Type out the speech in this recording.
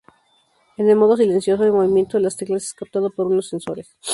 En el modo silencioso, el movimiento de las teclas es captado por unos sensores.